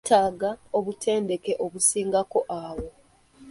Nneetaaga obutendeke obusingako awo.